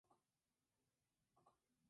Este debe pagar con partes de su cuerpo.